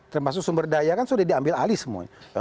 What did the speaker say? termasuk sumber daya kan sudah diambil alih semuanya